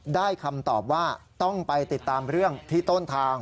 คำตอบว่าต้องไปติดตามเรื่องที่ต้นทาง